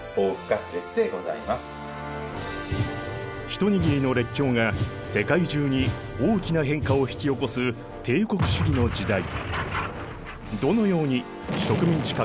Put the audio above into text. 一握りの列強が世界中に大きな変化を引き起こす帝国主義の時代。